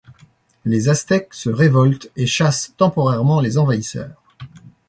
Les Aztèques se révoltent et chassent temporairement les envahisseurs.